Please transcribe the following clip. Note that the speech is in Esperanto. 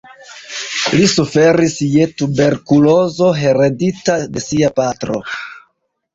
Li suferis je tuberkulozo heredita de sia patro.